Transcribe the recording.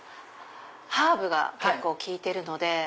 ハーブが結構効いてるので。